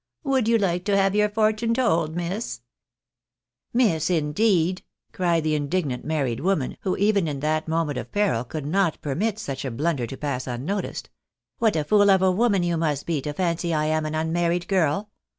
Would you like to have your fortune told, miss ?"" Miss ! indeed !" cried the indignant married woman, who even in that moment of peril could not permit such a blunder to pass unnoticed. " What a fool of a woman you must be, to fancy I am an unmarried girl